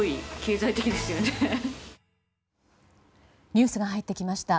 ニュースが入ってきました。